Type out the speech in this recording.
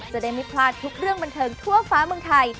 จะได้ไม่พลาดทุกเรื่องบันเทิงทั่วฟ้าเมืองไทย